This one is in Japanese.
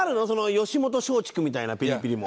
吉本松竹みたいなピリピリも。